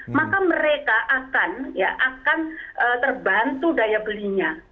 maka mereka akan terbantu daya belinya